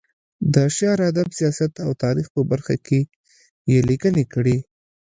د شعر، ادب، سیاست او تاریخ په برخه کې یې لیکنې کړې.